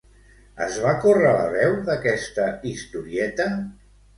Es va córrer la veu d'aquesta historieta?